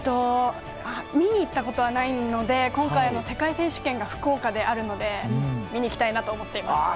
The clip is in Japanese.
見に行ったことはないので今回の世界選手権が福岡であるので見に行きたいなと思っています。